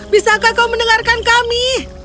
bisakah kau mendengarkan kami